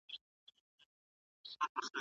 سياستپوهنه موږ ته د هيوادونو چلند راپېژني.